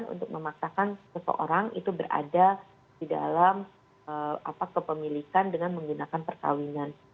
untuk memaksakan seseorang itu berada di dalam kepemilikan dengan menggunakan perkawinan